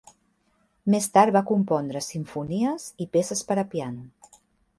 Més tard va compondre simfonies i peces per a piano.